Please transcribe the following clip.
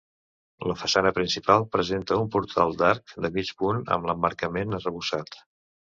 La façana principal presenta un portal d'arc de mig punt amb l'emmarcament arrebossat.